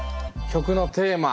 曲のテーマ。